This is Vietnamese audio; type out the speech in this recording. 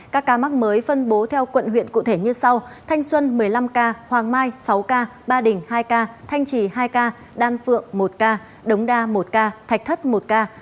các ca mắc mới phân bố theo quận huyện cụ thể như sau thanh xuân một mươi năm ca hoàng mai sáu ca ba đình hai ca thanh trì hai ca đan phượng một ca đống đa một ca thạch thất một ca